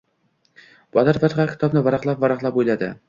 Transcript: Botir firqa kitobni varaqlab-varaqlab o‘yladi.